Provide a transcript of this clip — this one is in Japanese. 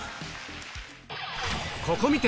ここ観て！